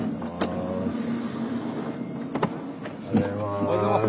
おはようございます。